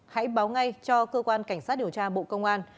hãy báo ngay cho cơ quan cảnh sát điều tra bộ công an